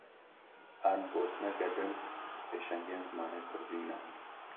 Ango bi gotineke din, pêşengên zimanê Kurdî ne